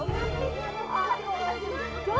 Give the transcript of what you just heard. makanan keracunan itu